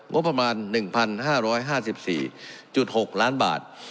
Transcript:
งบประมาณ๑๕๕๔๖ล้านบาท